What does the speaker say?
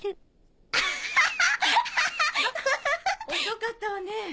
遅かったわね